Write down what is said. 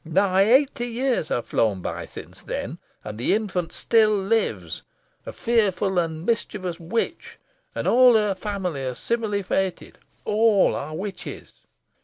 Nigh eighty years have flown by since then, and the infant still lives a fearful and mischievous witch and all her family are similarly fated all are witches."